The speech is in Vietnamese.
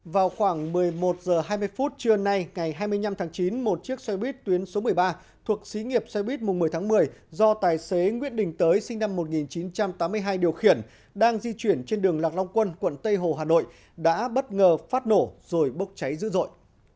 vào khoảng một mươi một h hai mươi phút trưa nay ngày hai mươi năm tháng chín một chiếc xe buýt tuyến số một mươi ba thuộc xí nghiệp xe buýt mùng một mươi tháng một mươi do tài xế nguyễn đình tới sinh năm một nghìn chín trăm tám mươi hai điều khiển đang di chuyển trên đường lạc long quân quận tây hồ hà nội đã bất ngờ phát nổ rồi bốc cháy dữ dội